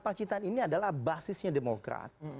pacitan ini adalah basisnya demokrat